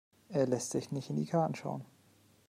Er lässt sich nicht in die Karten schauen.